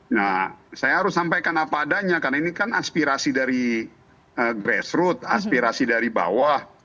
nah saya harus sampaikan apa adanya karena ini kan aspirasi dari grassroot aspirasi dari bawah